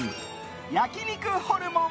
焼肉ホルモン